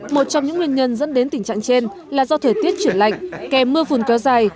một trong những nguyên nhân dẫn đến tình trạng trên là do thời tiết chuyển lạnh kèm mưa phùn kéo dài